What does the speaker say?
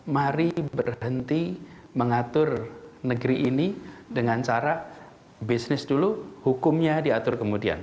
mari berhenti mengatur negeri ini dengan cara bisnis dulu hukumnya diatur kemudian